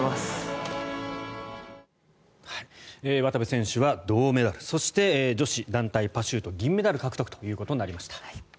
渡部選手は銅メダルそして、女子団体パシュート銀メダル獲得となりました。